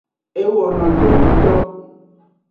E wono do ngto.